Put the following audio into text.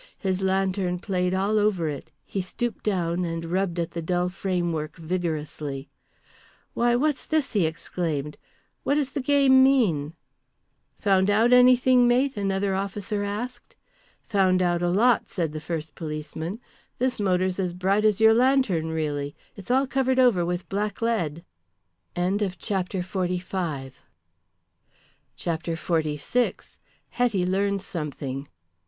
His lantern played all over it, he stooped down and rubbed at the dull frame work vigorously. "Why, what's this?" he exclaimed. "What does the game mean?" "Found anything out, mate?" another officer asked. "Found out a lot," said the first policeman. "This motor's as bright as your lantern really, It's all covered over with blacklead." CHAPTER XLVI. HETTY LEARNS SOMETHING.